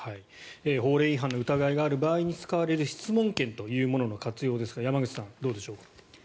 法令違反の疑いがある場合に使われる質問権というものの活用ですが山口さん、どうでしょうか。